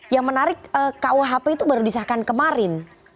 yang menarik kuhp itu baru disahkan kemarin